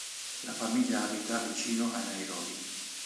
La famiglia abita vicino a Nairobi.